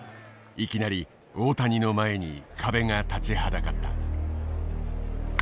いきなり大谷の前に壁が立ちはだかった。